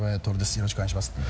よろしくお願いしますって。